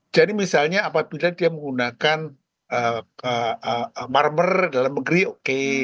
jadi misalnya apabila dia menggunakan marmer dalam negeri oke